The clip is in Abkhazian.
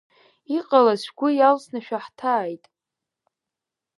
Иҟалаз шәгәы иалсны, шәаҳҭааит.